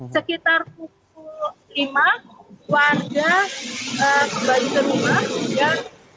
sekitar pukul lima warga kembali ke rumah dan